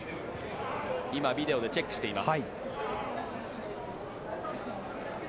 今、ビデオでチェックしています。